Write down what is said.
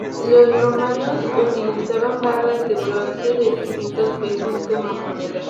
Los romanos utilizaban barras de bronce de distintos pesos como moneda.